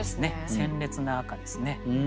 鮮烈な赤ですね。